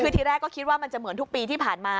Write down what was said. คือทีแรกก็คิดว่ามันจะเหมือนทุกปีที่ผ่านมา